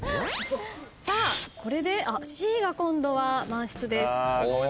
これでＣが今度は満室です。